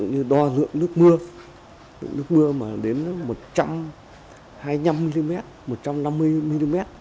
như đo lượng nước mưa nước mưa mà đến một trăm hai mươi năm mm một trăm năm mươi mm